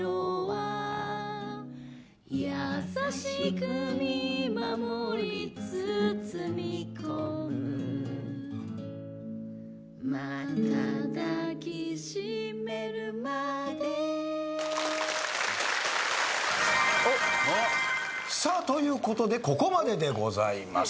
「優しく見守り包み込む」「また抱きしめるまで」さあということでここまででございます。